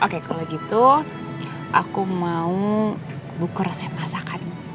oke kalau gitu aku mau buka resep masakanmu